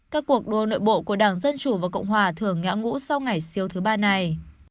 các cuộc đua nội bộ của đảng dân chủ và cộng hòa thường ngã ngũ sau ngày siêu thứ ba này